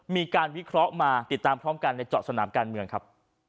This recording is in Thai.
มีการวิเคราะห์มาติดตามพร้อมกันในเจาะสนามการเมืองครับ